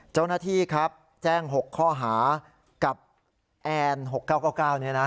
เจ้าหน้าที่ครับแจ้ง๖ข้อหากับแอน๖๙๙๙เนี่ยนะ